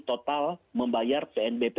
total membayar tnbp